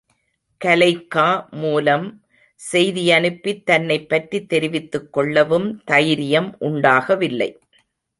கலெய்க்கா மூலம் செய்தியனுப்பித் தன்னைப்பற்றித் தெரிவித்துக் கொள்ளவும் தைரியம் உண்டாகவில்லை.